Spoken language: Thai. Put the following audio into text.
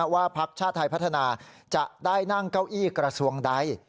พักชาติไทยพัฒนาจะได้นั่งเก้าอี้กระทรวงใด